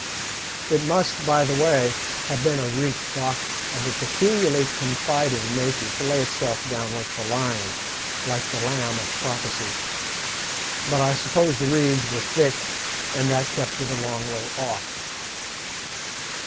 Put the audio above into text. It must, by the way, have been a reit bok of a peculiarly confiding nature to lay itself down with the lion, like the lamb of prophesy, but I suppose the reeds were thick, and that it kept a long way off.